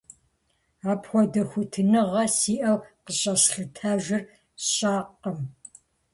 Апхуэдэ хуитыныгъэ сиӀэу къыщӀэслъытэжыр сщӀэркъым.